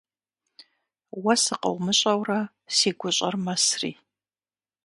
Уэ сыкъыумыщӀэурэ си гущӀэр мэсри.